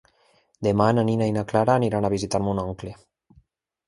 Demà na Nina i na Clara aniran a visitar mon oncle.